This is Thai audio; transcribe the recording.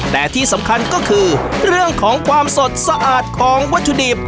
แต่ที่สำคัญก็คือเรื่องของความสดสะอาดของวัตถุดิบ